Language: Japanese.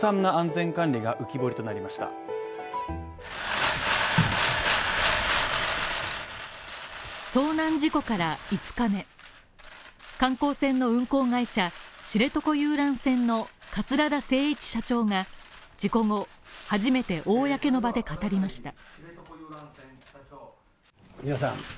遭難事故から５日目、観光船の運航会社、知床遊覧船の桂田精一社長が事故後、初めて公の場で語りました。